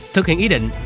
thực hiện ý định